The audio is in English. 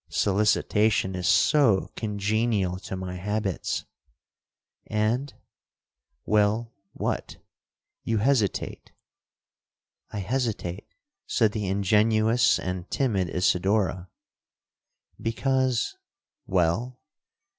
—solicitation is so congenial to my habits.'—'And'—'Well, what?—you hesitate.'—'I hesitate,' said the ingenuous and timid Isidora, 'because'—'Well?'